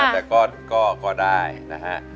แล้วก็ได้นะฮะ